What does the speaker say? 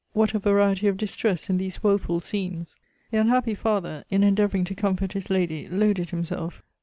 What a variety of distress in these woeful scenes! The unhappy father, in endeavouring to comfort his lady, loaded himself.